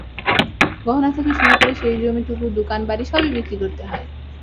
গহনা থেকে শুরু করে শেষ জমিটুকু, দোকান, বাড়ি সবই বিক্রি করতে হয়।